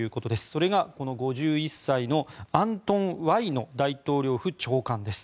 それがこの５１歳のアントン・ワイノ大統領府長官です。